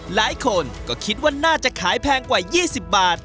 หลายคนก็คิดว่าน่าจะขายแพงกว่า๒๐บาท